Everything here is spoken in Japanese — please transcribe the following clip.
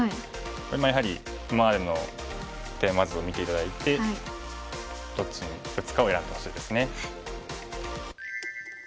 これもやはり今までのテーマ図を見て頂いてどっちに打つかを選んでほしいですね。